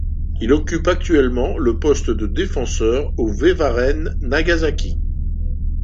Il occupe actuellement le poste de défenseur au V-Varen Nagasaki.